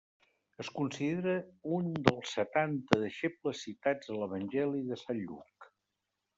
Es considera un dels Setanta deixebles citats a l'Evangeli de Sant Lluc.